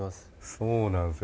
そうなんですよ。